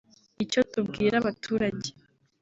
nicyo tubwira abaturage